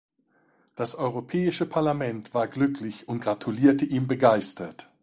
Das Europäische Parlament war glücklich und gratulierte ihm begeistert.